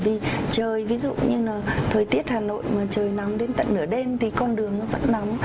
đi trời ví dụ như là thời tiết hà nội mà trời nắng đến tận nửa đêm thì con đường nó vẫn nóng